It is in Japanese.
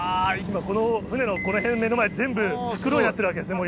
この船のこの辺目の前全部袋になってるわけですね